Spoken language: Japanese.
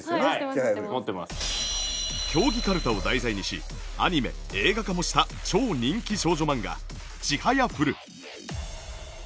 競技かるたを題材にしアニメ映画化もした超人気少女漫画『ちはやふる』。